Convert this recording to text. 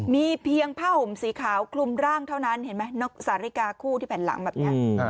มีเพียงผ้าห่มสีขาวคลุมร่างเท่านั้นเห็นไหมสาฬิกาคู่ที่แผ่นหลังแบบนี้